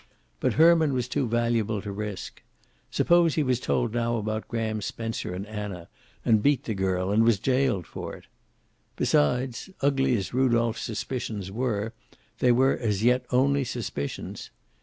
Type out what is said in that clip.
But Herman was too valuable to risk. Suppose he was told now about Graham Spencer and Anna, and beat the girl and was jailed for it? Besides, ugly as Rudolph's suspicions were, they were as yet only suspicions.